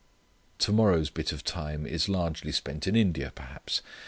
Tomorrow's bit of time is largely spent in India perhaps.